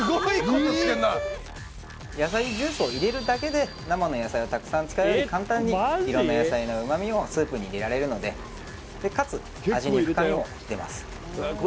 野菜ジュースを入れるだけで生の野菜をたくさん使うより簡単にいろんな野菜の旨味をスープに入れられるのでかつ味に深みも出ます